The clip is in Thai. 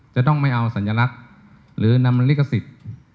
จะต้องไม่เอาสัญลักษณ์หรือนำลิขสิทธิ์